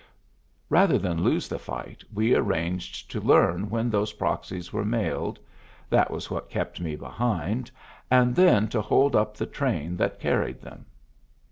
Rather than lose the fight, we arranged to learn when those proxies were mailed, that was what kept me behind, and then to hold up the train that carried them."